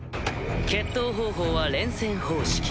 決闘方法は連戦方式。